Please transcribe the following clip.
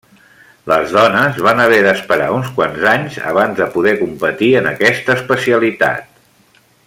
Les dones van haver d'esperar uns quants anys abans de poder competir en aquesta especialitat.